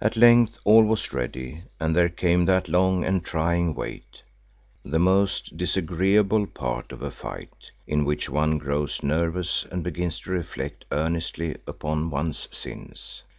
At length all was ready and there came that long and trying wait, the most disagreeable part of a fight in which one grows nervous and begins to reflect earnestly upon one's sins.